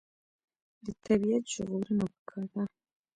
د طبیعت ژغورنه پکار ده.